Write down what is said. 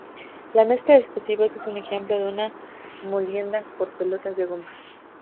La mezcla de explosivos es un ejemplo de una molienda por pelotas de goma.